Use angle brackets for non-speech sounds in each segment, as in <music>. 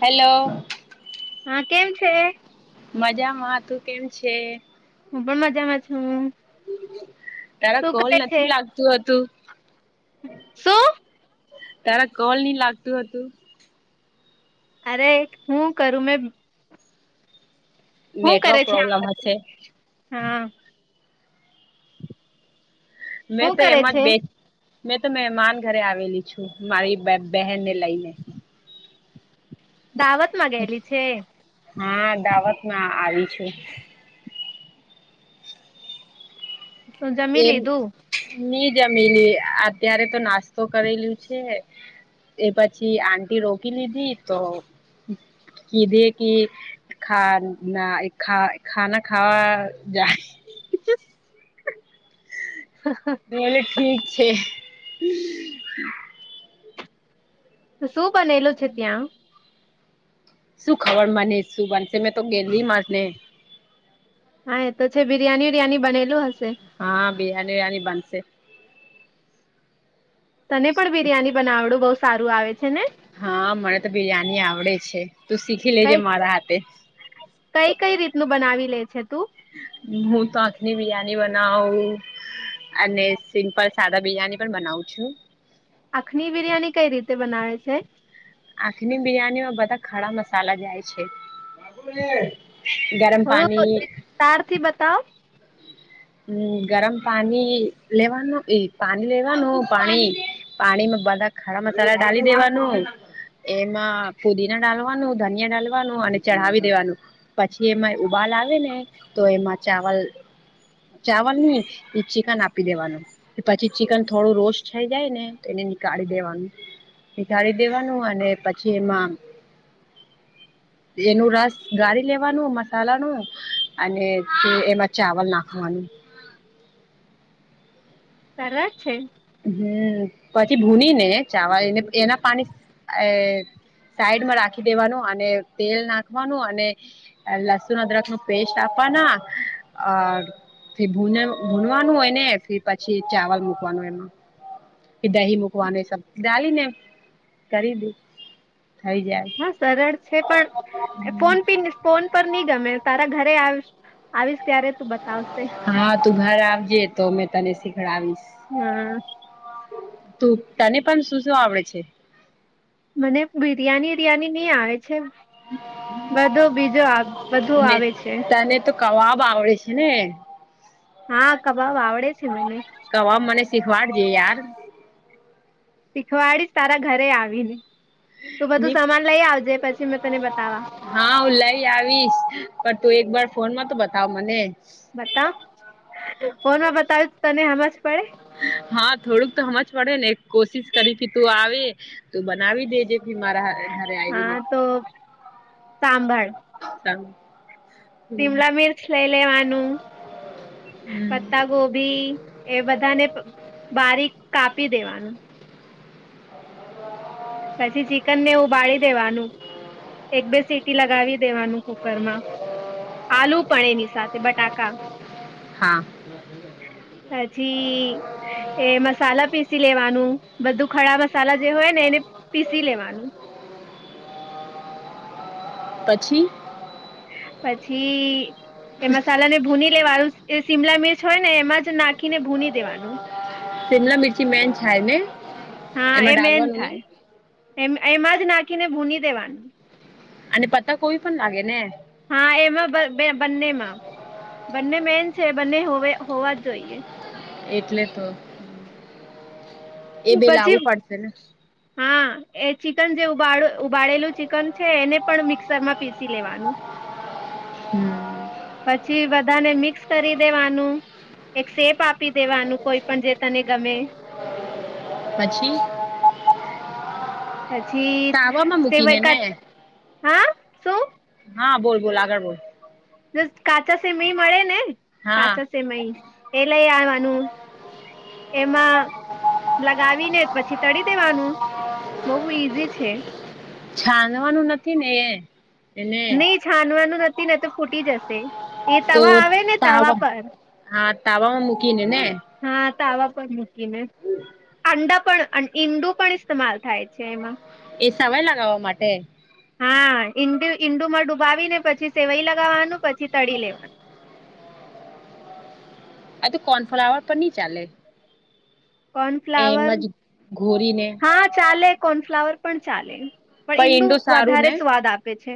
Hello. હા, કેમ છે? મજામાં, તું કેમ છે? હું પણ મજામાં છું. તારા શું કોલ કરે છે નથી લાગતું હતું. શું તારા કોલ નહી લાગતું હતું. અરે હું કરું મેં શું નેટવર્ક કરે છે પ્રોબ્લમ આ હશે હા મેં હું તો કરે એમાં જ છે બે મેં તો મહેમાન ઘરે આવેલી છું મારી બેહ-બહેનને લઈને. દાવત માં ગયેલી છે? હા, દાવત માં આવી છું. તું જમી એમ લીધું? ની જમીલી અત્યારે તો નાસ્તો કરેલું છે. એ પછી આંટી રોકી લીધી તો કીધે કી ખા ના એ ખા ખાના ખાવા જાય <inaudible> મેલે ઠીક છે. શું બનેલું છે ત્યાં. શું ખબર મને શું બનશે, મેં તો ગેલી માર <unintelligible> ને હા એ તો છે બિરિયાની વીરિયાની બનેલું હશે. હા બિરિયાની વિરયાની બનશે તને પણ બિરિયાની બનાવડું બહુ સારું આવે છે ને હા મને તો બિરયાની આવડે છે તું શીખી લેજે કઈ મારા હાથે કઈ કઈ રીતનું બનાવી લે છે. તું હું તો આંખની બિરયાની બનાવ. અને સિમ્પલ સાદા બિરિયાની પણ બનાવું છું. આંખની બિરિયાની કઈ રીતે બનાવે છે. આખની બિરિયાનીમાં બધા ખરા મસાલા જાય છે ગરમ થોડુંક પાણી વિસ્તાર થી બતાવો. હમ્મ ગરમ પાણી લેવાનું પાણી લેવાનું પાણી પાણીમાં બધા ખરા મસાલા ડાલી દેવાનું એમાં પુદીના ડાલવાનું ધનિયા ડાલવાનું અને ચઢાવી દેવાનું પછી એમાં ઉબાલ આવે ને તો એમાં ચાવલ ચાવલ ને એ ચિકન આપી દેવાનું પછી ચિકન થોડું રોસ્ટ થઈ જાય ને તો એને નીકાળી દેવાનું નીકાળી દેવાનું અને પછી એમાં એનું રસ ગારી લેવાનું મસાલાનું અને એમાં ચાવલ નાખ ખની સલસ છે. હમ્મ પછી ભૂની ને ચાવ એને એના પાણી સાઈડમાં રાખી દેવાનું અને તેલ નાખવાનું અને લસુણ અદરક નુ પેસ્ટ આપવાના ભ ભૂનવાનું હોય ને પછી ચાવલ મૂકવાનું હો એમાં કે દહી મુૂકવાને સબ ડલીને કરી દી થઈ જાય હા, સરળ છે. પણ ફોન પી ફોન પર નહી ગમે તારા ઘરે આવીશ આવીશ ત્યારે તું બતાવશ હા, તું ઘર આવજે તો મે તને શીખડાવીશ. હા તું તને પણ શું શું આવડે છે. મને બિરિયાની વિરિયાની નહ આવે છે બધું બીજો આવ બધું ને આવે છે તને તો કવાબ આવ છે ને હા કબાબ આવડે છે મને કવાબ મને શીખવાડજે યાર શીખવાડીશ તારા ઘરે આવી ને તું બધું ની સમાન લઈ આવજે પછી મેં તને બતાવા હા હું લઈ આવીશ પણ તું એક વાર ફોન માં તો બતાવ મને બતાવ ફોનમાં બતાવ્યું તને હમજ પડે હા થોડુંક તો હમજ પડે ને કોશિશ કરી કે તું આવે તો બનાવી દેજે મારાા હ ઘરે હા આઈવીને તો સાંભળ <unintelligible> શીમલા મિર્ચ લઇ લેવાનું, હમ પતા ગોભી એ બધાને બારીક કાપી દેવાનું. પછી ચિકન ને ઉબાડી દેવાનું એક-બે સીટી લગાવી દેવાનું કુકર માં. આલુ પણ એની સાથે બટાકા. હા. પછી એ મસાલા પીસી લેવાનું, બધું ખડા મસાલા જે હોય ને એને પીસી લેવાનું. પછી? પછી એ મસાલા ને ભૂની લેવાનું, શિ શિમલા મિર્ચ હોય ને એમાં જ નાખીને ભૂની દેવાનું. શિમલા મિરચી મેન છાય ને? હા એમાં એ મેન ડાલવાનું ને? થાય એમ એમાં જ નાખીને ભૂની દેવાની. અને પતાકોબી પણ લાગે ને? હા એમાં બ બે બંનેમાં. બંને મેન છે, બંને હોવે હોવા જ જોઈએ. એટલે તો. એ બે પછી લાવવું પડશે ને? હા. એ ચિકન જેવું <unintelligible> ઉબાળેલું ચિકન છે એને પણ મિક્સર માં પીસી લેવાનું. હમ પછી બધાને મિક્સ કરી દેવાનું, એક શેપ આપી દેવાનું કોઈ પણ જે તને ગમે. પછી? પછી તાવામાં મૂકીને ને <unintelligible> હા શું? હા બોલ-બોલ આગળ બોલ. જસ્ટ કાચા સેમય મળે ને? હા કાચા સેમય, એ લઈ આવવાનું. એમાં લગાવીને પછી તળી દેવાનું, બહુ ઈઝી છે. છાનવાનું નથી ને એ? ની છાનવાનું નથી નતો ફૂટી જશે. એ તો તવા આવે ને તવા તાવા પર હા તાવામાં મૂકી ને ને? હા તાવા પર મૂકીને. અંડા પણ અં ઈંડુ પણ ઇસ્તેમાલ થાય છે એમાં. એ સવાય લગાવવા માટે? હા. ઈંડ-ઈંડુમાં ડૂબાવી ને પછી સેવઈ લગાવવાનું પછી તળી લેવાનું. આ તો કોર્નફ્લાવર પર નહીં ચાલે? કોર્નફ્લાવર, એમાં જ ઘોરીને હા, હા ચાલે. કોર્નફ્લાવર પણ ચાલે. પણ ઈંડુ ઈંડો સારું ને વધારે સ્વાદ આપે છે.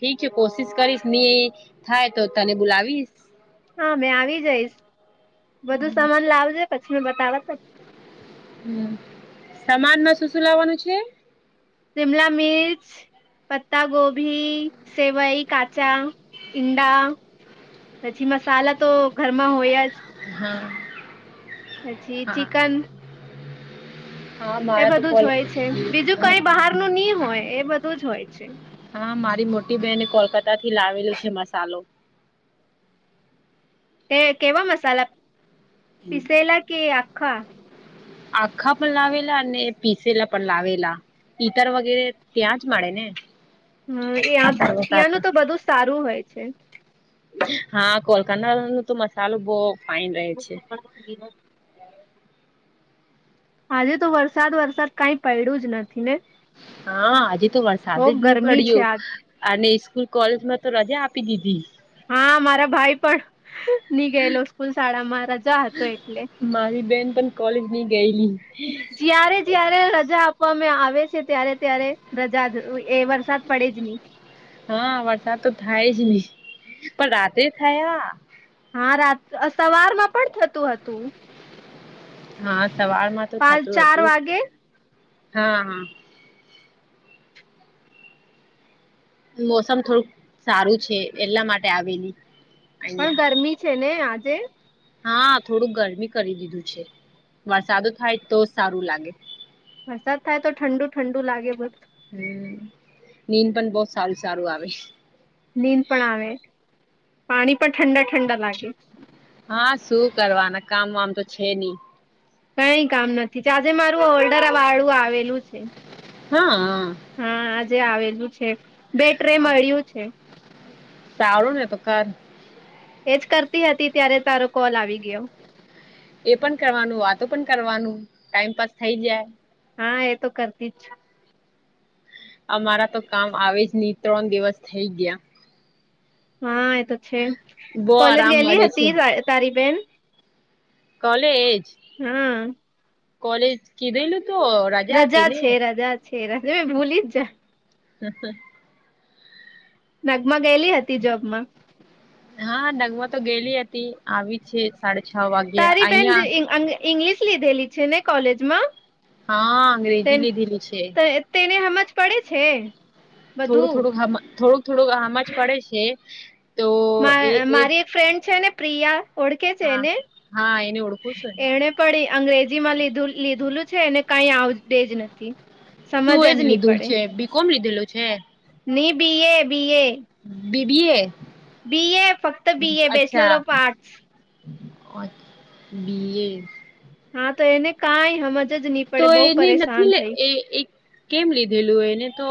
<unintelligible> કોશિશ કરીશ, ની થાય તો તને બોલાવીશ. હા મેં આવી જઈશ. બધું સમાન લાવજે, પછી મેં બતાવત. હમ્મ. સમાનમાં શું-શું લાવવાનું છે? શિમલા મિર્ચ પત્તા ગોભી, સેવઈ, કાચા ઇંડા પછી મસાલા તો ઘરમાં હોય જ. હા. પછી હા ચિકન હા એ મારા તો બધું જ કોલ હોય છે. બીજું કઈ બહારનું ની હોય એ બધું જ હોય છે. હા મારી મોટી બહેને કોલકાતાથી લાવેલું છે મસાલો. તે કેવા મસાલા? પિસેલા કે આખા? આખા પણ લાવેલા અને પીસેલા પણ લાવેલા. ઈતર વગેરે ત્યાં જ મળે ને? હમ આતર એ વતાર ત્યાંનું તો બધું સારું હોય છે. હા કોલકનાનું તો મસાલો બોવ <inaudible> આજે તો વરસાદ વરસાદ કાઈ પડ્યું જ નથી ને? હા આજે તો વરસાદ બહુ જ નહી ગરમી પડ્યો, છે આજ અને સ્કૂલ કોલેજમાં તો રજા આપી દીધી. હા મારા ભાઈ પણ ની ગયેલો સ્કૂલ, શાળામાં રજા હતો એટલે. મારી બેન પણ કોલેજ ની ગયેલી. જયારે જયારે રજા આપવામાં આવે છે ત્યારે ત્યારે રજા એ વરસાદ પડે જ નહી. હા વરસાદ તો થાય જ નહી પણ રાતે થયા. હા રાત સવારમાં પણ થતું હતું. હા સવારમાં તો પાંચ થતું ચાર હતું વાગે. હા હા મોસમ થોડુંક સારું છે એટલા માટે આવેલી. પણ અહિયાં ગરમી છે ને આજે? હા થોડું ગરમી કરી દીધું છે. વરસાદો થાય તો સારું લાગે. વરસાદ થાય તો ઠંડુ ઠંડુ લાગે બધ હમ નીંદ પણ બહુ સારું સારું આવે. નીંદ પણ આવે, પાણી પણ ઠંડા ઠંડા લાગે. હા શું કરવાના કામ વામ તો છે નહી. કઈ કામ નથી. આજે મારું ઓલ્ડર વાળું આવેલું છે. હા હા હા આજે આવેલું છે બેટ્રે મળ્યું છે. સારું ને તો કર. એજ કરતી હતી ત્યારે તારો કોલ આવી ગયો. એ પણ કરવાનું, વાતો પણ કરવાનું, ટાઈમપાસ થઈ જાય. હા એ તો કરતી જ છે. અમારા તો કામ આવે જ ની, ત્રણ દિવસ થઈ ગયા. હા એ તો છે. બહુ કોલેજ આરામ ગેયલી મળે છે હતી તારી બેન? કોલેજ? હમ કોલેજ કીધેલું તો હતી રજા ને છે, રજા છે, રજા મેં ભૂલી જ જા. હહ હહ નગમાં ગયેલી હતી જોબમાં? હા નગમાં તો ગેયલી હતી. આવી છે સાડા છ વાગ્યા તારી બેન અહીંયા ઈંગ્લિશ લીધેલી છે ને કોલેજમાં? હા અંગ્રેજી લીધેલી છે. તેને હમજ પડે છે. થોડું બધું થોડુંક હમ થોડુંક-થોડુંક હમજ પડે છે. તો માર એ એ મારી એક ફ્રેન્ડ છે ને પ્રિયા ઓળખે છે હા એને. હા એને ઓળખું છું ને એને પણી અંગ્રેજી માં લીધું લીધુંલું છે, એને કંઈ આવડેજ નથી. શું સમજ એને જ નહી લીધુંલ પડે છે? બી કોમ લીધેલું છે? ની બી એ, B A. B B A? B A. ફક્ત બી એ. બેચલર અચ્છા ઓફ આર્ટ્સ. <unintelligible> B A. હા તો એને કાંઈ હમજ જ ની તો એને નથી લે એ-એ કેમ લીધેલું, એને તો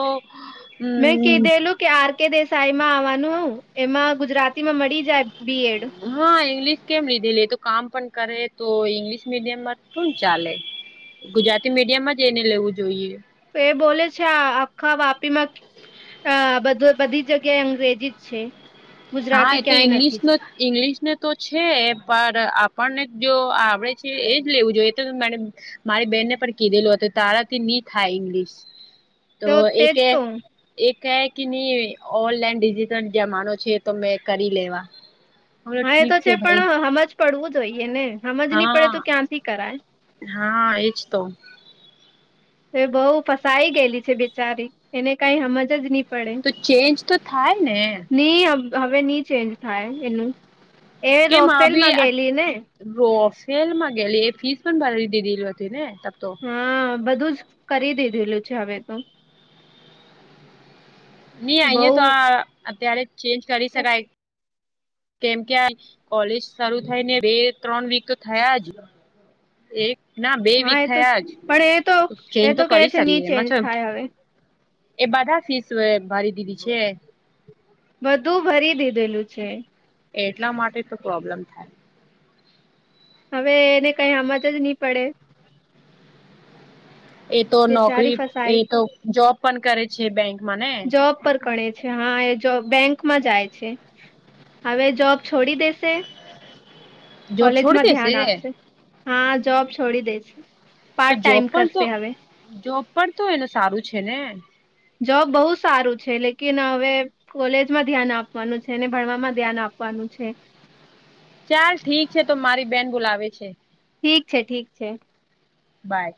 મેં હમ્મ. કીધેલું કે આર કે દેસાઈ માં આવવાનું હોવ. એમાં ગુજરાતી માં મળી જાય બી એડ. હા ઈંગ્લિશ કેમ લીધેલી? એ તો કામ પણ કરે તો ઈંગ્લિશ મીડિયમમાં શું ચાલે? ગુજરાતી મીડિયમમાં જ એને લેવું જોઈએ. એ બોલે છે આ આખા વાપીમાં આ બધું બધી જગ્યાએ અંગ્રેજી જ છે. હા. ગુજરાતી એ તો ક્યાંય ઇંગ્લિશ નથી નો જ ઇંગ્લિશનો તો છે, પણ આપણને જો આવડે છે એજ લેવું જોઈએ <unintelligible> મારી બેનને પણ કીધેલું હતું તારા થી ની થાય ઇંગ્લિશ. તો એ તેજ કહે તો એ કહે કે ની ઓનલાઈન ડિજિટલ જમાનો છે તો મેં કરી લેવા. હલો હા એ ઠીક તો છે. ભાઈ પણ હમજ પડવું જોઈએ ને. હમજ ની પડે હા તો ક્યાંથી કરાય. હા એજ તો. તો એ બહુ ફસાઈ ગયેલી છે બિચારી. એને કંઈ હમજ જ ની તો ચેન્જ તો થાય ને? ની હમ હવે ની ચેન્જ થાય એનું. એ કે રોફેલમાં <unintelligible> ગયેલી ને રો ફેલ માં ગયેલી, એ ફીસ પણ ભરી દીધેલી હો છે ને તબ તો. હા. બધુંજ કરી દીધેલું છે હવે તો. ની બઉ અહિયાં તો આ અત્યારે ચેન્જ કરી શકાય. કેમ કે આ કોલેજ શરુ થઈ ને બે ત્રણ વીક થયાં હજું. એક ના બે હા વીક એ તો છે, થયાં હજું. પણ એ તો ચેન્જ એ તો કહે કરી છે શકીએ ની એમાં ચેન્જ થાય <unintelligible> હવે એ બધા ફીસ ભરી દીધી છે? બધું ભરી દીધેલું છે. એટલાં માટે તો પ્રોબ્લેમ થાય હવે એને કાંઈ હમજ જ ની પડે. એ તો બેચારી નોકરી, ફસાઈ ઈતો જોબ પણ કરે છે બેંકમાં ને? કરે છે, હાં એ જોબ, બેંક માં જાય છે. હવે જોબ છોડી દેશે. જોબ છોડી કોલેજમાં દેશે ધ્યાન આપશે. હા જોબ છોડી દેશ. તો જોબ પણ તો, જોબ પણ તો એને સારું છે ને? જોબ બહું સારું છે. લેકિન હવે કોલેજ માં ધ્યાન આપવાનું છે, ને ભણવામાં ધ્યાન આપવાનું છે. ચાલ ઠીક છે તો મારી બેન બોલાવે છે. ઠીક છે ઠીક છે. બાય.